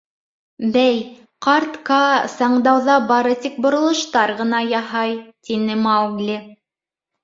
— Бәй, ҡарт Каа саңдауҙа бары тик боролоштар ғына яһай, — тине Маугли.